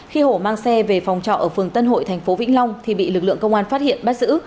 khi hổ mang xe về phòng trọ ở phường tân hội tp vĩnh long thì bị lực lượng công an phát hiện bắt giữ